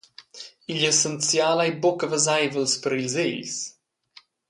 Igl essenzial ei buca veseivels per ils egls.